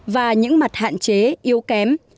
và những mặt hạn chế yếu kém